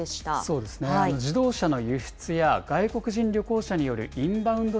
そうですね、自動車の輸出や外国人旅行者によるインバウンド